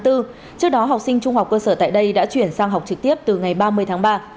trước đó học sinh trung học cơ sở tại đây đã chuyển sang học trực tiếp từ ngày ba mươi tháng ba